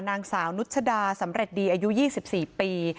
นางสาวนุชดาสำเร็จดีอายุยี่สิบสี่ปี